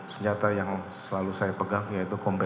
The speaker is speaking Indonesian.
senjata yang selalu saya pegang yaitu kompleks